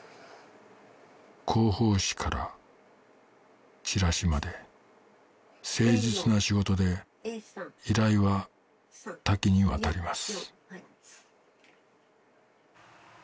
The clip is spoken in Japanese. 広報誌からチラシまで誠実な仕事で依頼は多岐にわたります